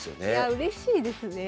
うれしいですねえ。